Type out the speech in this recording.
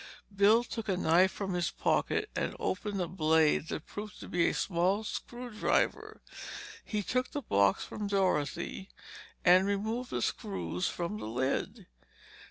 Bill took a knife from his pocket and opened a blade that proved to be a small screwdriver. He took the box from Dorothy and removed the screws from the lid.